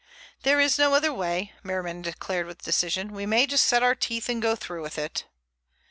"There is no other way," Merriman declared with decision. "We may just set our teeth and go through with it."